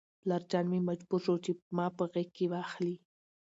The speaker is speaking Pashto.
پلارجان مې مجبور شو چې ما په غېږ کې واخلي.